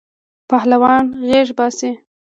پهلوان غیږ باسی.